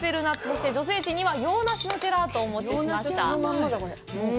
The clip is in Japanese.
そして、女性陣には洋ナシのジェラートをお持ちしました。